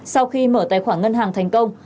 sau khi mở tài khoản ngân hàng thành công